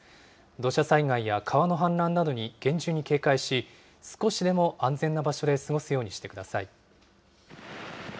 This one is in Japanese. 土砂災害や川の氾濫などに厳重に警戒し、少しでも安全な場所で過ごすようにしてください。